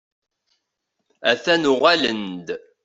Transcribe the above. A-t-an uɣalen-d.